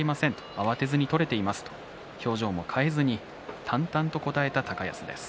慌てずに取れていますと表情を変えずに淡々と答えていた高安です。